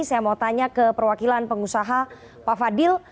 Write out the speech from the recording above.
saya mau tanya ke perwakilan pengusaha pak fadil